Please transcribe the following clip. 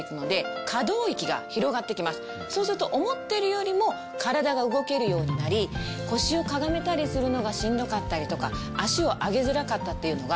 そうすると思っているよりも体が動けるようになり腰をかがめたりするのがしんどかったりとか足を上げづらかったっていうのが。